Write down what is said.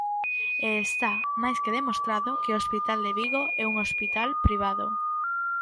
E está máis que demostrado que o hospital de Vigo é un hospital privado.